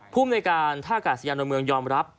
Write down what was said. ผู้ที่อำนวยการท่าอากาศยังดอนเมืองยอมรับ